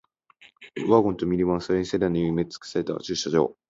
ワゴンとミニバン、それにセダンに埋め尽くされた駐車場